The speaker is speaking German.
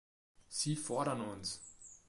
Sie fordern uns.